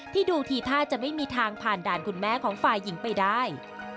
ดูทีท่าจะไม่มีทางผ่านด่านคุณแม่ของฝ่ายหญิงไปได้